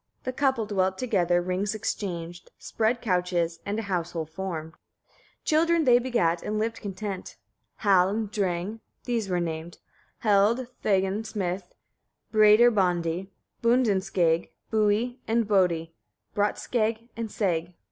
The couple dwelt together, rings exchanged, spread couches, and a household formed. 21. Children they begat, and lived content. Hal and Dreng, these were named, Held, Thegn, Smith, Breidr bondi, Bundinskegg, Bui and Boddi, Brattskegg and Segg. 22.